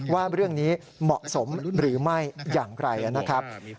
ว่าเรื่องนี้เหมาะสมหรือไม่อย่างไรนะครับ